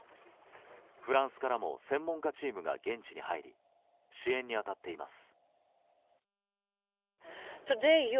フランスからも専門家チームが現地に入り支援に当たっています。